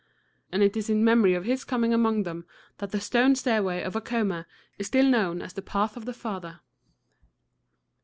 And it is in memory of his coming among them that the stone stairway of Acoma is still known as the "Path of the Father."